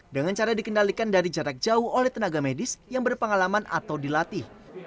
dengan cara dikendalikan dari jarak jauh oleh tenaga medis yang berpengalaman atau dilatih